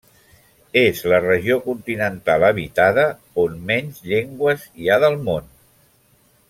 És la regió continental habitada on menys llengües hi ha del món.